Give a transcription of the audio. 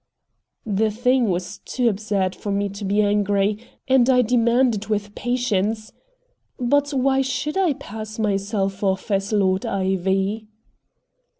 The thing was too absurd for me to be angry, and I demanded with patience: "But why should I pass myself off as Lord Ivy?"